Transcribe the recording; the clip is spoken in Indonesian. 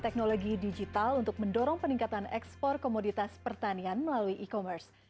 teknologi digital untuk mendorong peningkatan ekspor komoditas pertanian melalui e commerce